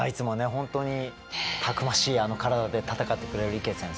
本当にたくましいあの体で戦ってくれる池選手